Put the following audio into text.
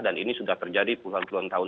ini sudah terjadi puluhan puluhan tahun